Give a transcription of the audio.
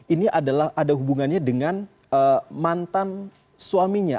ini adalah ada hubungannya dengan mantan suaminya